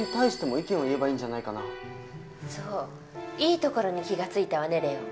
いいところに気が付いたわね礼央。